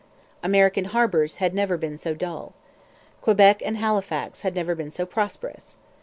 American harbours had never been so dull. Quebec and Halifax had never been so prosperous.